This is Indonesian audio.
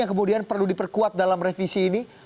yang kemudian perlu diperkuat dalam revisi ini